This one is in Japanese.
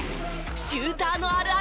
シューターのあるある教えて！